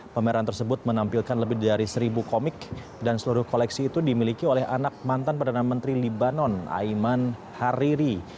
pameran tersebut menampilkan lebih dari seribu komik dan seluruh koleksi itu dimiliki oleh anak mantan perdana menteri libanon aiman hariri